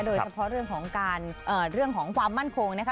โดยเฉพาะเรื่องของความมั่นคงนะคะ